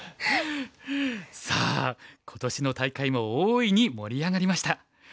さあ今年の大会も大いに盛り上がりました。